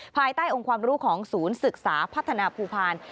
ภายใต้องค์ความรู้ของศูนย์ศึกษาพัฒนาภูพาล